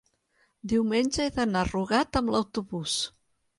Diumenge he d'anar a Rugat amb autobús.